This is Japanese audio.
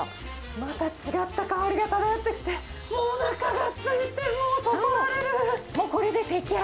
また違った香りが漂ってきて、もうおなかがすいて、もうそそられる！